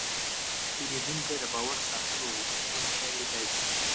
پیرودونکی د باور ساتلو غوښتونکی دی.